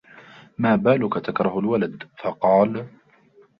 مَا بَالُك تَكْرَهُ الْوَلَدَ ؟ فَقَالَ